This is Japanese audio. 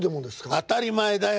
当たり前だよ！